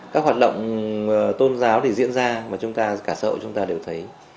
các hoạt động tôn giáo thì diễn ra mà cả xã hội chúng ta đều thấy